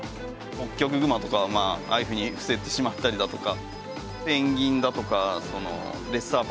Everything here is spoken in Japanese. ホッキョクグマとかああいうふうに伏せてしまったりだとか。